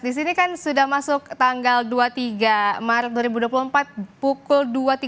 di sini kan sudah masuk tanggal dua puluh tiga maret dua ribu dua puluh empat pukul dua tiga puluh